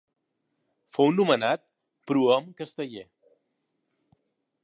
Fou nomenat Prohom Casteller.